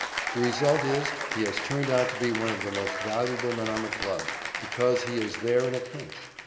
The result is he has turned out to be one of the most valuable men on the club, because he is there in a pinch.